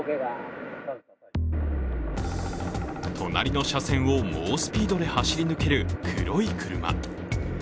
隣の車線を猛スピードで走り抜ける黒い車。